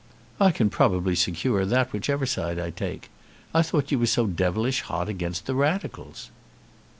"I can probably secure that, whichever side I take. I thought you were so devilish hot against the Radicals."